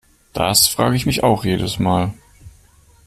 Das frage ich mich auch jedes Mal.